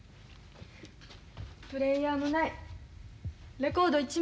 プレーヤーもないレコード一枚ない。